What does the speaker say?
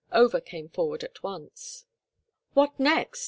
Over came forward at once. "What next?"